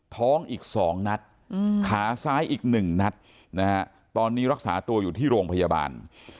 ท้องอีก๒นัดขาซ้ายอีก๑นัดนะฮะตอนนี้รักษาตัวอยู่ที่โรงพยาบาล